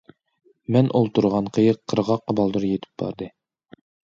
مەن ئولتۇرغان قېيىق قىرغاققا بالدۇر يىتىپ باردى.